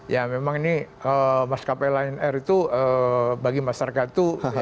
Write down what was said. ya memang ini mas kapelang lion air itu bagi masyarakat itu ya benci